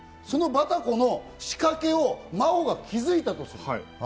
そのバタコの仕掛けを真帆が気付いたとする。